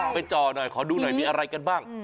ไปจอด้วยขอดูหน่อยมีอะไรกันบ้าง